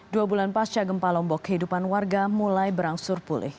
dua bulan pasca gempa lombok kehidupan warga mulai berangsur pulih